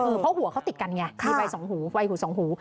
เพราะหัวเขาติดกันไงมีใบสองหูใบหูสองหู